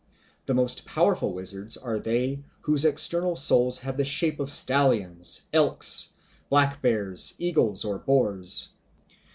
The most powerful wizards are they whose external souls have the shape of stallions, elks, black bears, eagles, or boars.